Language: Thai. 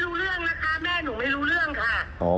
รู้เรื่องนะคะแม่หนูไม่รู้เรื่องค่ะ